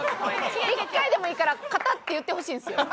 一回でもいいからカタッていってほしいんですよ。